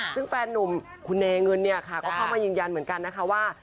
ซึ่งแฟนนุ่มคุณเนเงินเนี่ยค่ะก็เข้ามายืนยันเหมือนกันนะคะว่า